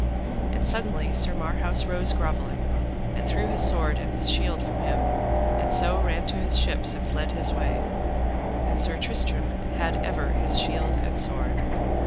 And suddenly Sir Marhaus rose grovelling, and threw his sword and his shield from him, and so ran to his ships and fled his way, and Sir Tristram had ever his shield and his sword.